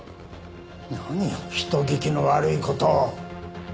何を人聞きの悪い事を。